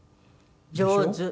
上手。